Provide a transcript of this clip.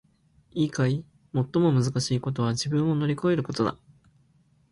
いいかい！最もむずかしいことは自分を乗り越えることだ！